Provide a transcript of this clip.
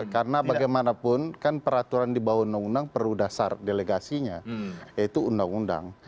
karena bagaimanapun kan peraturan di bawah undang undang perlu dasar delegasinya yaitu undang undang